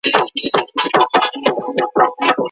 د صلحي عوض بايد په سم ډول وټاکل سي.